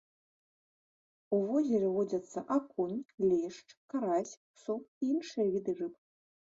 У возеры водзяцца акунь, лешч, карась, сом і іншыя віды рыб.